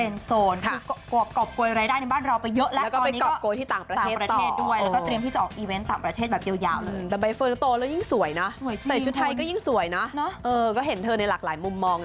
ไม่ค่อยได้สักทีเพราะว่าเราถ่ายละครยาวที่นี่ตลอดเลย